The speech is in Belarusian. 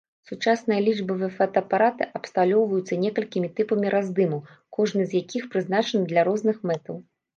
Сучасныя лічбавыя фотаапараты абсталёўваюцца некалькімі тыпамі раздымаў, кожны з якіх прызначаны для розных мэтаў.